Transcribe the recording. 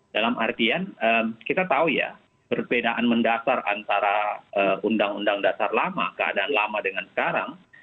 dalam artian kita tahu ya perbedaan mendasar antara undang undang dasar lama keadaan lama dengan sekarang